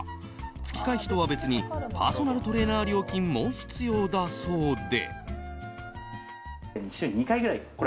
月会費とは別にパーソナルトレーナー料金も必要だそうで。